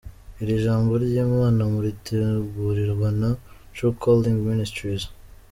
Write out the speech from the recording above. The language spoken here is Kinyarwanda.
Iri jambo ry’Imana muritegurirwa na True Calling Ministries.